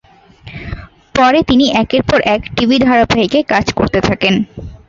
পরে তিনি একের পর এক টিভি ধারাবাহিকে কাজ করতে থাকেন।